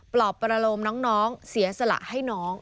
รอบประโลมน้องเสียสละให้น้อง